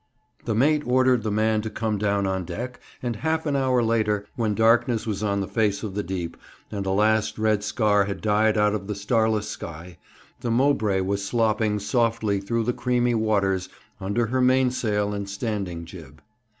The mate ordered the man to come down on deck, and half an hour later, when darkness was on the face of the deep, and the last red scar had died out of the starless sky, the Mowbray was slopping softly through the creaming waters, under her mainsail and standing jib.